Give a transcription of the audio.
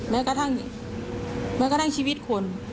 แม้กระทั่งชีวิตคน